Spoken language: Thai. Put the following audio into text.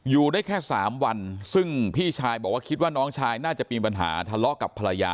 อยู่ได้แค่๓วันซึ่งพี่ชายบอกว่าคิดว่าน้องชายน่าจะมีปัญหาทะเลาะกับภรรยา